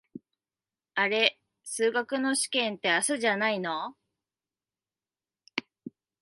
あれ、数学の試験って明日じゃないの？